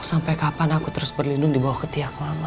mau sampai kapan aku terus berlindung di bawah ketiak mama